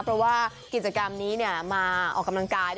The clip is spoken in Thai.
เพราะว่ากิจกรรมนี้มาออกกำลังกาย